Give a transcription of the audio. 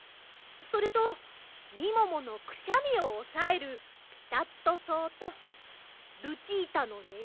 それとみもものくしゃみをおさえるピタットそうとルチータのね